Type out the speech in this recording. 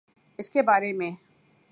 اس کے بارے میں